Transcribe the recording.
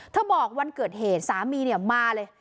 เธอบอกวันเกิดเหตุสามีมาเลย